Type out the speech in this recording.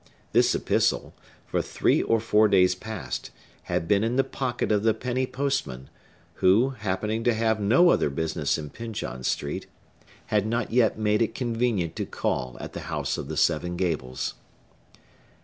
This epistle, for three or four days past, had been in the pocket of the penny postman, who, happening to have no other business in Pyncheon Street, had not yet made it convenient to call at the House of the Seven Gables.